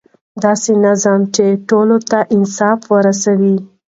داسې نظام چې ټولو ته انصاف ورسوي.